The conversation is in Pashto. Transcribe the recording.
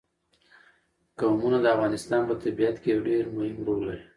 قومونه د افغانستان په طبیعت کې یو ډېر مهم رول لري.